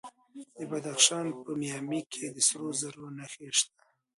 د بدخشان په مایمي کې د سرو زرو نښې شته.